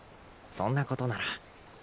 そんなことなら。